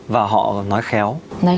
và họ nói khéo